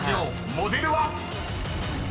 ［モデルは⁉］